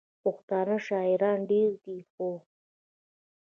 پښتانه شاعران ډېر دي، خو: